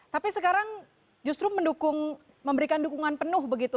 tapi sekarang justru memberikan dukungan penuh begitu